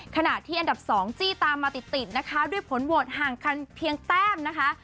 ขณะที่อันดับ๒จี้ตามมาติดติดนะคะด้วยผลโหวตห่างกันเพียงแต้มนะคะ